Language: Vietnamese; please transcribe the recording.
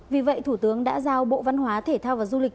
vì vậy thủ tướng đã giao bộ văn hóa thể thao và du lịch